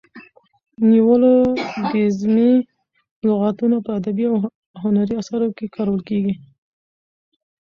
نیولوګیزمي لغاتونه په ادبي او هنري اثارو کښي کارول کیږي.